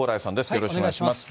よろしくお願いします。